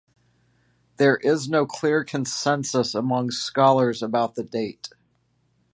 There is no clear consensus among scholars about the date.